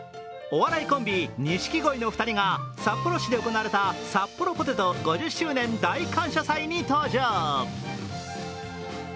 お笑いコンビ・錦鯉の２人が札幌市で行われたサッポロポテト５０周年大感謝祭に登場。